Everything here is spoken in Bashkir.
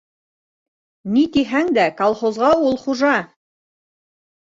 Ни тиһәң дә колхозға ул хужа!